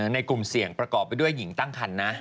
ในกลุ่มเสี่ยงประกอบไปด้วยหญิงตั้งคันนะ